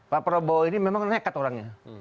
pak prabowo ini memang nekat orangnya